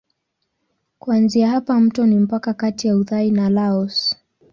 Kuanzia hapa mto ni mpaka kati ya Uthai na Laos.